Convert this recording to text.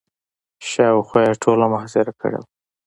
شاوخوا یې ټوله محاصره کړې وه.